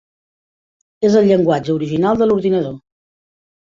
És el llenguatge original de l'ordinador.